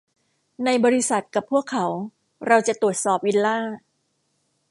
ใน บริษัท กับพวกเขาเราจะตรวจสอบวิลล่า